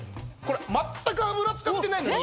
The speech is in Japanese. まったく油使ってないのに。